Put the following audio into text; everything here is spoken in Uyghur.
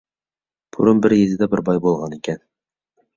بۇرۇن بىر يېزىدا بىر باي بولغانىكەن.